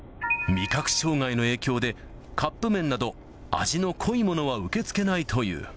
味覚障害の影響で、カップ麺など、味の濃いものは受け付けないという。